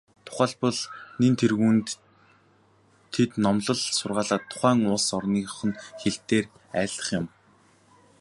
Тухайлбал, нэн тэргүүнд тэд номлол сургаалаа тухайн улс орных нь хэл дээр айлдах юм.